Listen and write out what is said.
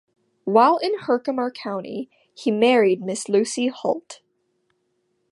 While in Herkimer County, he married Miss Lucy Hult.